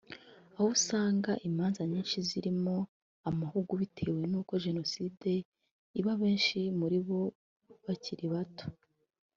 aho usanga imanza nyinshi zirimo amahugu bitewe n’uko Jenoside iba abenshi muri bo bari bakiri bato